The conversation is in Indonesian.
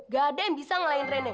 gak ada yang bisa ngelain training